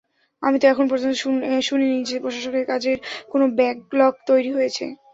আমি তো এখন পর্যন্ত শুনিনি যে প্রশাসকের কাজের কোনো ব্যাক-লগ তৈরি হয়েছে।